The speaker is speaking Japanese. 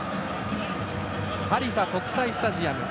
ハリファ国際スタジアム。